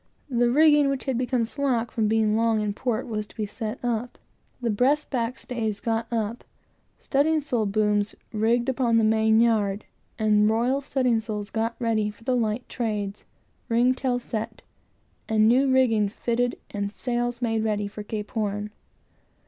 The rigging which had become slack from being long in port was to be set up; breast backstays got up; studding sail booms rigged upon the main yard; and the royal studding sails got ready for the light trades; ring tail set; and new rigging fitted and sails got ready for Cape Horn.